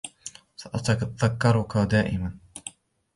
سأتذكرك دائما.